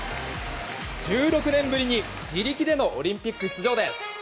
１６年ぶりに自力でのオリンピック出場です。